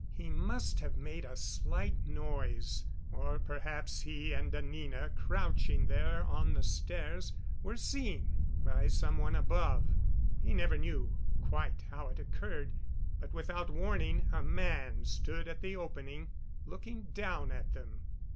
He must have made a slight noise, or perhaps he and Anina, crouching there on the stairs, were seen by some one above. He never knew quite how it occurred, but, without warning, a man stood at the opening, looking down at them.